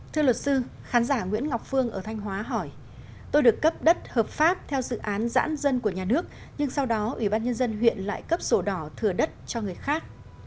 thưa luật sư khán giả nguyễn ngọc phương ở thanh hóa hỏi tôi được cấp đất hợp pháp theo dự án giãn dân của nhà nước nhưng sau đó ủy ban nhân dân huyện lại cấp sổ đỏ thừa đất cho người khác